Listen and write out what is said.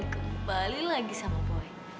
kembali lagi sama boy